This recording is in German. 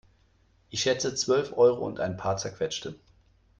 Ich schätze zwölf Euro und ein paar Zerquetschte.